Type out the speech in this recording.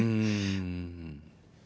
うん。